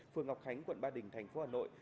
phường ngọc khánh quận ba đình tp hà nội